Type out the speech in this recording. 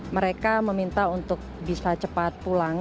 mereka meminta untuk bisa cepat pulang